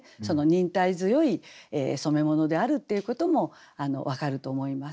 忍耐強い染め物であるっていうことも分かると思います。